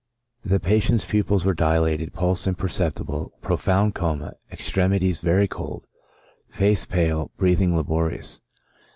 The patient's pupils were dilated, pulse imperceptible, profound coma, extremities very cold, face pale, breathing laborious.